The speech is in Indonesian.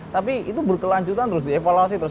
tapi itu berkelanjutan terus dievaluasi terus